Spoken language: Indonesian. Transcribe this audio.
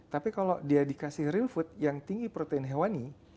tapi kalau dia dikasih real food yang tinggi protein hewani